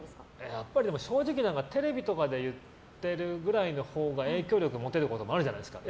やっぱり正直テレビとかで言ってるくらいのほうが影響力持てることもあるじゃないですか。